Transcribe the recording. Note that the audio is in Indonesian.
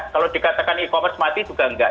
kalau dikatakan e commerce mati juga enggak